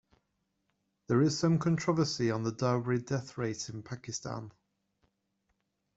There is some controversy on the dowry death rates in Pakistan.